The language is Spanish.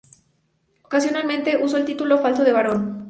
Ocasionalmente usó el título falso de barón.